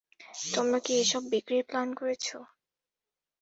তোমরা কি এসব বিক্রির প্ল্যান করেছ?